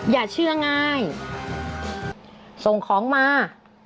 อย่าเชื่อง่ายส่งของมา